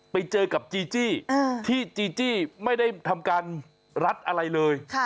ไปเจอกับจีจี้ที่จีจี้ไม่ได้ทำการรัดอะไรเลย